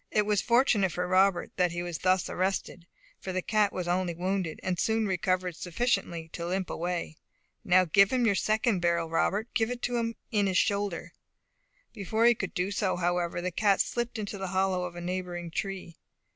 It was fortunate for Robert that he was thus arrested, for the cat was only wounded, and soon recovered sufficiently to limp away. "Now give him your second barrel, Robert; give it to him in his shoulder." Before he could do so, however, the cat slipped into the hollow of a neighbouring tree.